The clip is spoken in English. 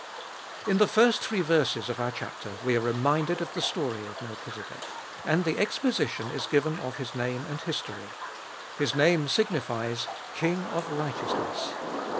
In the first three verses of our chapter we are reminded of the story of Melchizedek, and the exposition is given of his name and history. His name signifies — King of righteous ness.